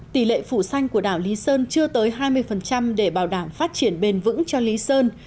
tỷ lệ phủ xanh của đảo lý sơn chưa tới hai mươi để bảo đảm phát triển bền vững cho lý sơn